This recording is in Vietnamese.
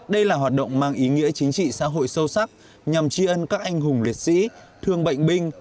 đây là hoạt động mang ý nghĩa chính trị xã hội sâu sắc nhằm tri ân các anh hùng liệt sĩ thương bệnh binh